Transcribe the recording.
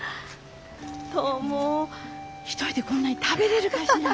トモ一人でこんなに食べれるかしら。